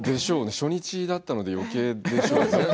初日だったのでよけい、でしょうね。